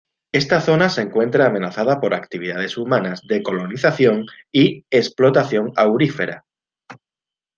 Esta zona se encuentra amenazada por actividades humanas de colonización y explotación aurífera.